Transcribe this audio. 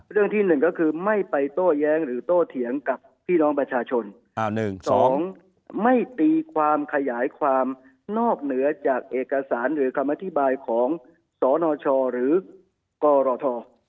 เรื่องที่๑ก็คือไม่ไปโต้แย้งหรือโตเถียงกับพี่น้องประชาชน๒ไม่ตีความขยายความนอกเหนือจากเอกสารหรือคำอธิบายของสนชหรือกรท